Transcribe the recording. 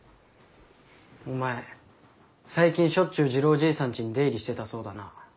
お前最近しょっちゅう次郎じいさんちに出入りしてたそうだな？